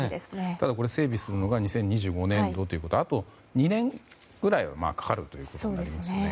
ただ整備するのが２０２５年度ということであと２年くらいはかかるということになりますよね。